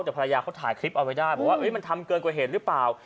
แต่ภรรยาเขาถ่ายคลิปเอาไว้ได้บอกว่ามันทำเกินกว่าเหตุหรือเปล่า